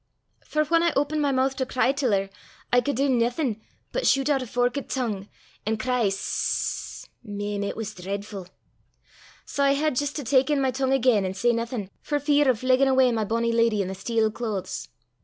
For whan I opened my moo' to cry till her, I cud dee naething but shot oot a forkit tongue, an' cry sss. Mem, it was dreidfu'! Sae I had jist to tak in my tongue again, an' say naething, for fear o' fleggin' awa my bonnie leddy i' the steel claes.